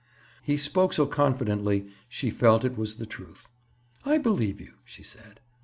He spoke so confidently she felt it was the truth. "I believe you," she said.